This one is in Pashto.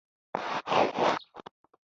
یا غم د څښلو ده.